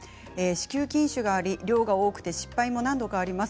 子宮筋腫があり、量が多くて失敗も何度かあります。